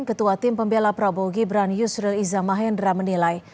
ketua tim pembela prabowo gibran yusril iza mahendra menilai